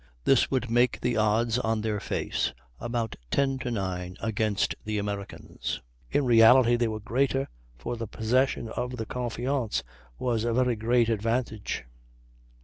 This would make the odds on their face about 10 to 9 against the Americans; in reality they were greater, for the possession of the Confiance was a very great advantage.